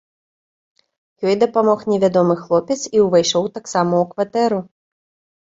Ёй дапамог невядомы хлопец і ўвайшоў таксама ў кватэру.